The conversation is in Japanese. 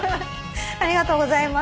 ありがとうございます。